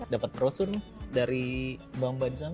dapet prosur nih dari mbak mbak di sana